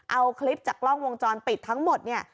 เอาคลิปจากกล้องวงจรปิดทั้งหมดเนี่ย